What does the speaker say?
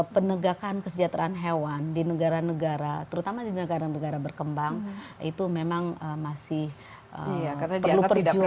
penegakan kesejahteraan hewan di negara negara terutama di negara negara berkembang itu memang masih perlu perjuangan